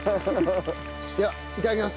ではいただきます。